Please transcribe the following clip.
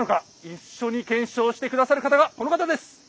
一緒に検証して下さる方がこの方です。